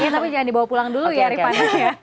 tapi jangan dibawa pulang dulu ya rifat